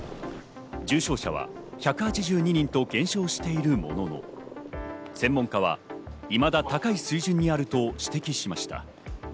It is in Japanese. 重症者は１８２人と減少しているものの、専門家はいまだ高い水準にあると指摘しました。